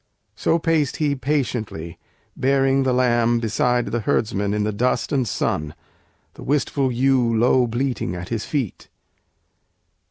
So paced he patiently, bearing the lamb Beside the herdsmen in the dust and sun, The wistful ewe low bleating at his feet.